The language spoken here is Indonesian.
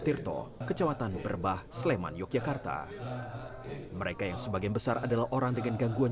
tirto kecamatan berbah sleman yogyakarta mereka yang sebagian besar adalah orang dengan gangguan